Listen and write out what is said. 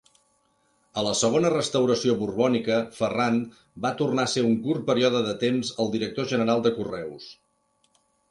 A la segona Restauració borbònica, Ferrand va tornar a ser un curt període de temps el Director General de Correus.